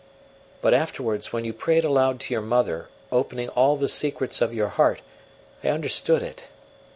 But, afterwards, when you prayed aloud to your mother, opening all the secrets of your heart, I understood it.